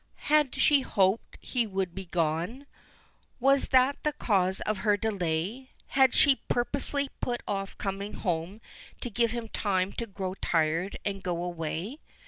Had she hoped he would be gone? Was that the cause of her delay? Had she purposely put off coming home to give him time to grow tired and go away?